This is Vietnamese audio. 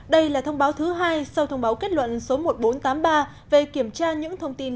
đây là thông báo thứ hai sau thông báo kết luận số một nghìn bốn trăm tám mươi ba về kiểm tra những thông tin